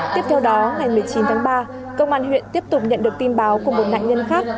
tiếp theo đó ngày một mươi chín tháng ba công an huyện tiếp tục nhận được tin báo của một nạn nhân khác